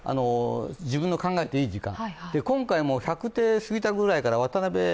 自分の考えていい時間。